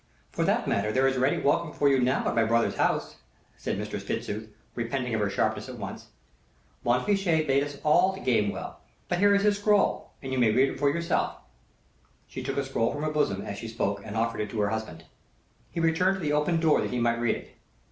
"For that matter, there is ready welcome for you now at my brother's house," said Mistress Fitzooth, repenting of her sharpness at once. "Montfichet bade us all to Gamewell; but here is his scroll, and you may read it for yourself." She took a scroll from her bosom as she spoke and offered it to her husband. He returned to the open door that he might read it.